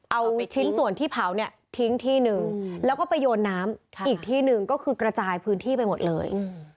เอาชิ้นส่วนที่เผาเนี่ยทิ้งที่หนึ่งแล้วก็ไปโยนน้ำอีกที่หนึ่งก็คือกระจายพื้นที่ไปหมดเลย